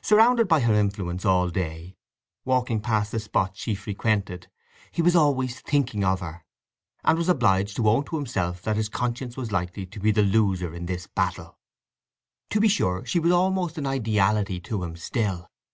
Surrounded by her influence all day, walking past the spots she frequented, he was always thinking of her, and was obliged to own to himself that his conscience was likely to be the loser in this battle. To be sure she was almost an ideality to him still.